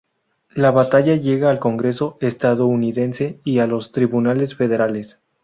La batalla llega al congreso estadounidense y a los tribunales federales.